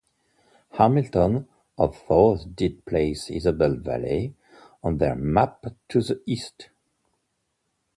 Hamilton, although they did place Isabel Valley on their map to the east.